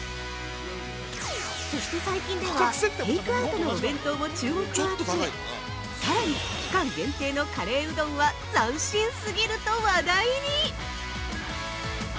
そして最近では、テイクアウトのお弁当も注目を集めさらに期間限定のカレーうどんは斬新すぎると話題に！